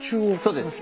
そうです。